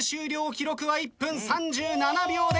記録は１分３７秒です。